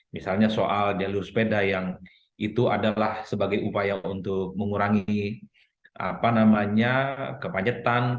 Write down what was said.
misalnya soal jalur sepeda yang itu adalah sebagai upaya untuk mengurangi kemacetan